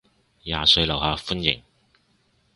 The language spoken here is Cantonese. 廿歲樓下歡迎